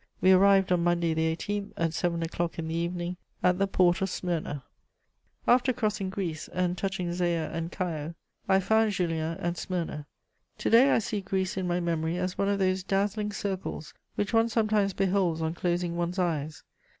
We arrived, on Monday the 18th, at seven o'clock in the evening, at the port of Smyrna." * [Sidenote: Greece.] After crossing Greece, and touching Zea and Chio, I found Julien at Smyrna. To day I see Greece in my memory as one of those dazzling circles which one sometimes beholds on closing one's eyes.